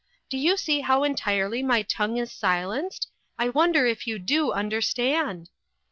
Do you see how entirely my tongue is silenced? I wonder if you do understand